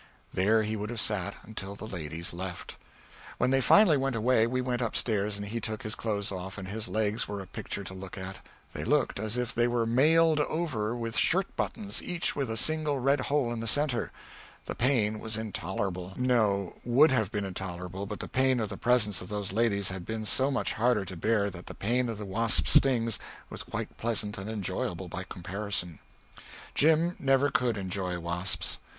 There he would have sat until the ladies left. When they finally went away we went up stairs and he took his clothes off, and his legs were a picture to look at. They looked as if they were mailed all over with shirt buttons, each with a single red hole in the centre. The pain was intolerable no, would have been intolerable, but the pain of the presence of those ladies had been so much harder to bear that the pain of the wasps' stings was quite pleasant and enjoyable by comparison. Jim never could enjoy wasps.